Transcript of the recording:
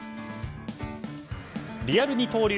リアル二刀流